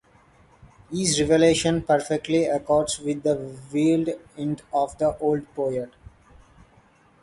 His revelation perfectly accords with the veiled hint of the old poet.